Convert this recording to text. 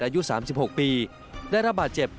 อายุ๓๖ปีได้รับบาดเจ็บ